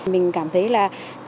mình cảm thấy là